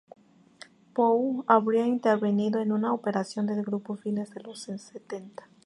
Pou habría intervenido en una operación del grupo a fines de los setenta.